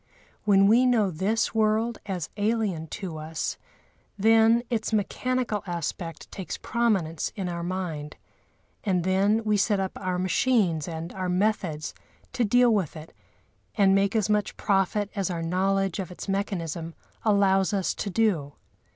When we know this world as alien to us, then its mechanical aspect takes prominence in our mind; and then we set up our machines and our methods to deal with it and make as much profit as our knowledge of its mechanism allows us to do.